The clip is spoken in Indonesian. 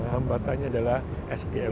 hambatannya adalah sdm